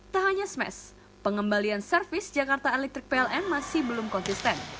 tak hanya smash pengembalian servis jakarta elektrik pln masih belum konsisten